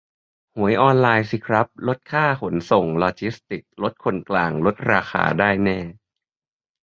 หวยออนไลน์สิครับ ลดค่าขนส่ง-ลอจิสติกส์ ลดคนกลาง ลดราคาได้แน่